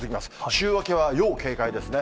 週明けは要警戒ですね。